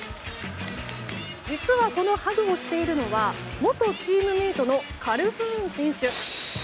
実は、このハグをしているのは元チームメートのカルフーン選手。